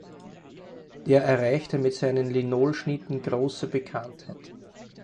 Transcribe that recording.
Er erreichte mit seinen Linolschnitten große Bekanntheit.